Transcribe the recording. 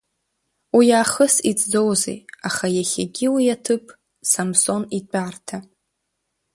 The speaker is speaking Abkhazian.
Уи аахыс иҵӡозеи, аха иахьагьы уи аҭыԥ Самсон итәарҭа!